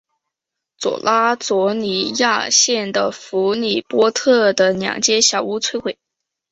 布拉佐里亚县的弗里波特的两间小屋摧毁。